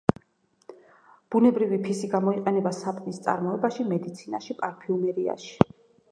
ბუნებრივი ფისი გამოიყენება საპნის წარმოებაში, მედიცინაში, პარფიუმერიაში.